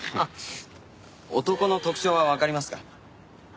男の特徴はわかりますか？